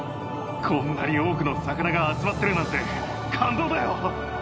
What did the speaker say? こんなに多くの魚が集まってるなんて感動だよ！